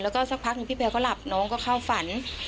แล้วก็สักพักหนึ่งพี่แบร์ก็หลับน้องก็เข้าฝัน